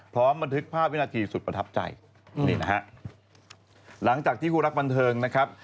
พร้อมบันทึกภาพวินาทีสุดประทับใจนี่นะฮะหลังจากที่คู่รักบันเทิงนะครับ